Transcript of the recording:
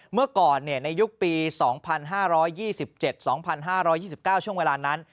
เมื่อก่อนในยุคปี๒๕๒๗๒๕๒๙ช่วงเวลานั้น